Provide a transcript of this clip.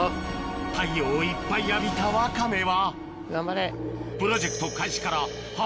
太陽をいっぱい浴びたワカメは頑張れ。